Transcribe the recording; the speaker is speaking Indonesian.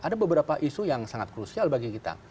ada beberapa isu yang sangat krusial bagi kita